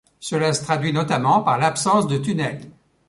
Cela se traduit notamment par l'absence de tunnels.